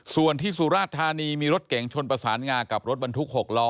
ส่วนที่สุราชธานีมีรถเก๋งชนประสานงากับรถบรรทุก๖ล้อ